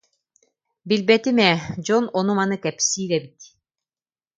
Билбэтим ээ, дьон ону-маны кэпсиир эбит